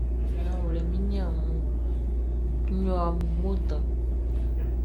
Nanwlɛ, mi niaan mun, n yo amun mo dan.